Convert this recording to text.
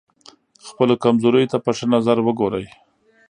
خپلو کمزوریو ته په ښه نظر وګورئ.